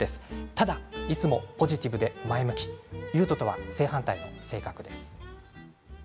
ただ、いつもポジティブで前向き悠人とは正反対の性格です。